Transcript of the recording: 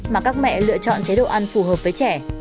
mà các mẹ lựa chọn chế độ ăn phù hợp với trẻ